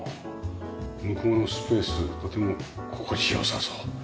向こうのスペースとても心地良さそう。